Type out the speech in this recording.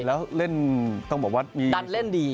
แล้วเล่นต้องบอกว่ามีการเล่นดี